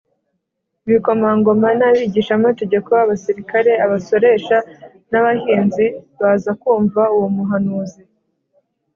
Ibikomangoma n’abigishamategeko, abasirikare, abasoresha, n’abahinzi baza kumva uwo muhanuzi